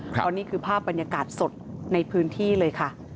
เพราะนี่คือภาพบรรยากาศสดในพื้นที่เลยค่ะ